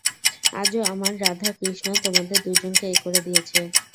আজও আমার রাধা-কৃষ্ণ, তোমাদের দুজনকে এক করে দিয়েছে।